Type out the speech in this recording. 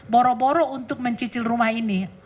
boro boro untuk mencicil rumah ini